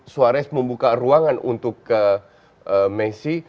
suarez membuka ruangan untuk messi